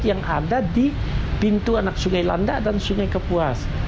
yang ada di pintu anak sungai landak dan sungai kepuas